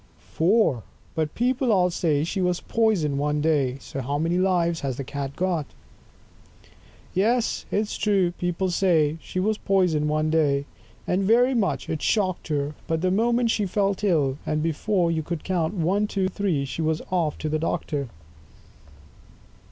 FOUR! But people all say She was poison'd one day; So how many Lives has the Cat got? 12 Yes, it's true, people say She was poison'd one day, And very much it shock'd her; But the moment she felt ill, and before you could count ONE, TWO, THREE, she was off to the Doctor.